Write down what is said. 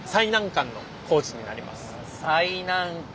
最難関。